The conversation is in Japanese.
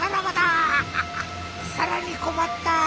さらにこまった。